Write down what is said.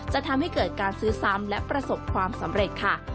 จะทำให้เกิดการซื้อซ้ำและประสบความสำเร็จค่ะ